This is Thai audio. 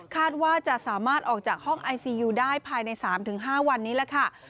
คาดว่าจะสามารถออกจากห้องไอซียูได้ภายใน๓๕วันนี้แหละค่ะ